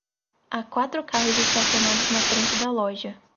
Há quatro carros estacionados na frente da loja.